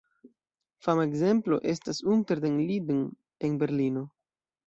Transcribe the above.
Fama ekzemplo estas "Unter den Linden" en Berlino.